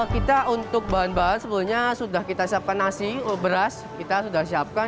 kita untuk bahan bahan sebelumnya sudah kita siapkan nasi beras kita sudah siapkan